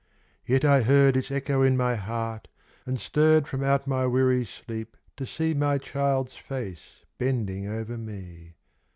Yet I heard Its echo in my heart, and stirred From out my weary sleep to see My child's face bending over me.